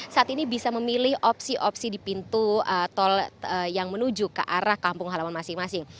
saat ini bisa memilih opsi opsi di pintu tol yang menuju ke arah kampung halaman masing masing